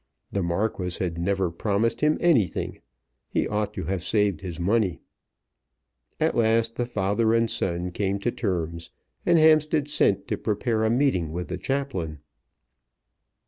The Marquis had never promised him anything. He ought to have saved his money. At last the father and son came to terms, and Hampstead sent to prepare a meeting with the chaplain.